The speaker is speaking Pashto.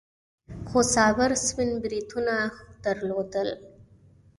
خو صابر سپين بریتونه درلودل.